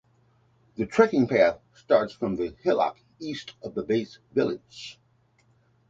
The trekking path starts from the hillock east of the base village.